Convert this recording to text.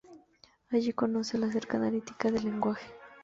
Allí conoce de cerca la Analítica del Lenguaje.